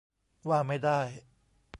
ว่าไม่ได้